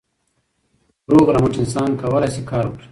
روغ رمټ انسان کولای سي کار وکړي.